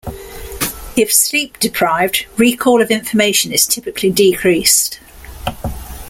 If sleep deprived, recall of information is typically decreased.